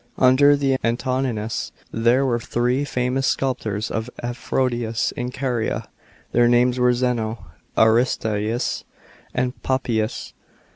Under the Antonines there were three famous sculptors of Aphmdisias in Caria. Their names were Zeno, Aristeas, and Papias.